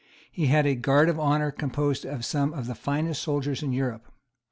He had a guard of honour composed of some of the finest soldiers in Europe.